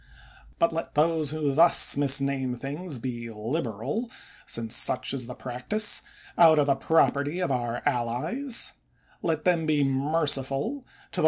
But let those who thus misname things be liberal, since such is the practise, out of the property of our allies ; let them be merci ful to tLv.